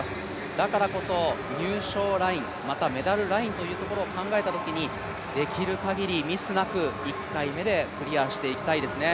だからこそ、入賞ライン、またメダルラインを考えたときにできる限りミスなく１回目でクリアしていきたいですね。